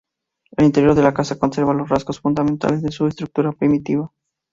El interior de la casa conserva los rasgos fundamentales de su estructura primitiva.